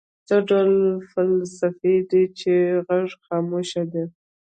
څه ډول فلاسفې دي چې غږ خاموش دی.